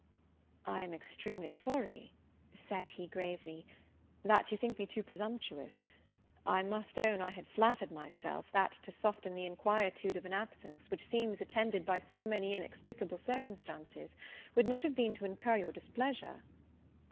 "I am extremely sorry," said he, gravely, "that you think me too presumptuous. I must own I had flattered myself, that, to soften the inquietude of an absence, which seems attended by so many inexplicable circumstances, would not have been to incur your displeasure."